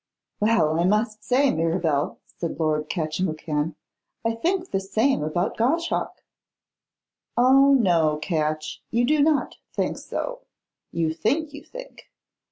'Well, I must say, Mirabel,' said Lord Catchimwhocan, 'I think the same about Goshawk.' 'Oh, no, Catch, you do not think so; you think you think.